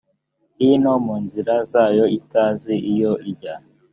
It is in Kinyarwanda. hino mu nzira zayo itazi iyo ijya